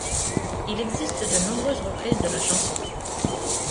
Il existe de nombreuses reprises de la chanson.